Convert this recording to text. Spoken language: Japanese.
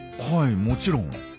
はいもちろん。